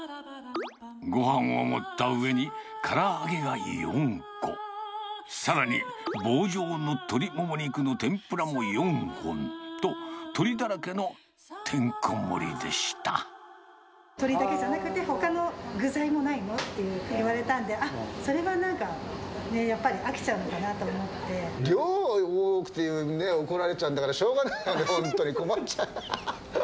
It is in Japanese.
ごはんを盛った上に、から揚げが４個、さらに棒状の鶏モモ肉の天ぷらも４本と、鶏だらけのてんこ盛りで鶏だけじゃなくてほかの具材もないの？って言われたんで、あっ、それはなんか、やっぱり飽量多くて怒られちゃうんだから、しょうがない、本当に困っちゃう。